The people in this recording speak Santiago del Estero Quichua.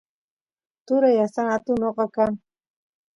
turay astan atun noqa kan